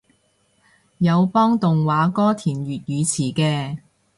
有幫動畫歌填粵語詞嘅